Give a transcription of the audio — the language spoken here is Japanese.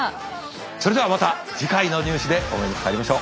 それではまた次回の「ニュー試」でお目にかかりましょう。